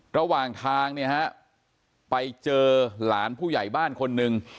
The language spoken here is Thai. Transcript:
ระหว่างทางเนี่ยฮะไปเจอหลานผู้ใหญ่บ้านคนหนึ่ง